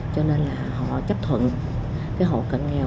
cho nên là họ chấp thuận cái hộ cận nghèo